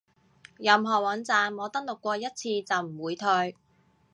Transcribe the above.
任何網站我登錄過一次就唔會退